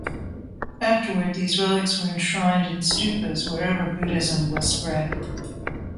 Afterward, these relics were enshrined in stupas wherever Buddhism was spread.